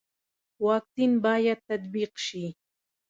واکسین باید تطبیق شي